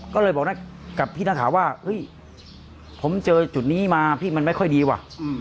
ก็เลยบอกกับพี่นักข่าวว่าเฮ้ยผมเจอจุดนี้มาพี่มันไม่ค่อยดีว่ะ